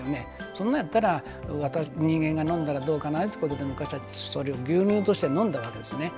そんなやったら、人間が飲んだらどうかなということで昔は、それを牛乳として飲んだわけですね。